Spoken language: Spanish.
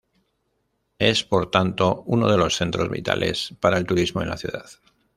Es por tanto uno de los centros vitales para el turismo en la ciudad.